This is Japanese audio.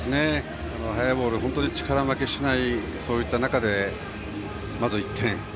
速いボールに本当に力負けしない中でまず１点。